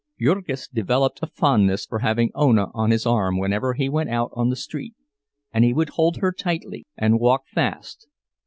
Jurgis developed a fondness for having Ona on his arm whenever he went out on the street, and he would hold her tightly, and walk fast.